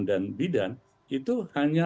dan bidan itu hanya